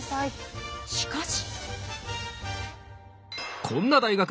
しかし。